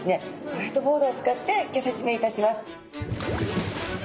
ホワイトボードを使ってギョ説明いたします。